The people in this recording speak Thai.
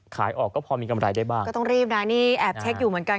ขายออกก็พอมีกำไรได้บ้างก็ต้องรีบนะนี่แอบเช็คอยู่เหมือนกัน